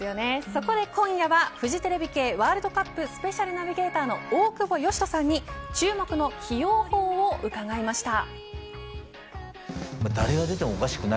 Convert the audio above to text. そこで今夜はフジテレビ系ワールドカップスペシャルナビゲーターの大久保嘉人さんに注目の起用法を伺いました。